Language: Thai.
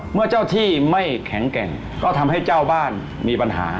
เมื่อเจ้าที่ไม่แข็งแกร่งก็ทำให้เจ้าบ้านมีปัญหา